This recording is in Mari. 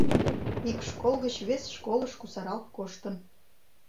Ик школ гыч вес школыш кусаралт коштын.